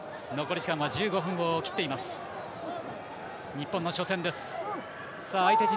日本の初戦です。